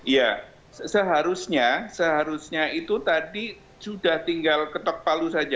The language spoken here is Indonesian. ya seharusnya seharusnya itu tadi sudah tinggal ketok palu saja